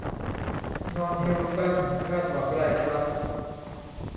นอนฮิลตันคาดหวังไรครับ